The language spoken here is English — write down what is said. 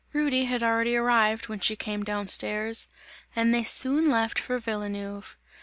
Rudy had already arrived, when she came down stairs, and they soon left for Villeneuve.